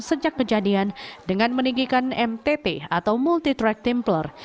sejak kejadian dengan meninggikan mtt atau multi track templer